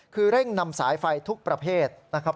คือเร่งนำสายไฟทุกประเภทนะครับ